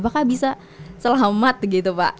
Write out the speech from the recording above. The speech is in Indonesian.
apakah bisa selamat gitu pak